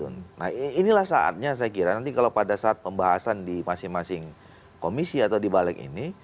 nah inilah saatnya saya kira nanti kalau pada saat pembahasan di masing masing komisi atau di balik ini